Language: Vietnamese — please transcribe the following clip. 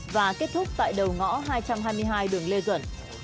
và kết thúc tại đầu ngõ hai trăm hai mươi hai đường lê duẩn